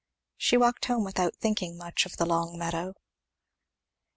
She walked home without thinking much of the long meadow.